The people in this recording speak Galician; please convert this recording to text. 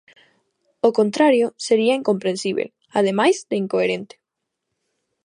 O contrario sería incomprensíbel, ademais de incoherente.